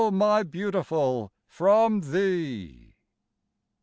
my Beautiful, from thee.